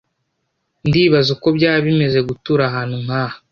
Ndibaza uko byaba bimeze gutura ahantu nkaha.